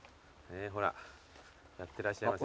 ほらやってらっしゃいます。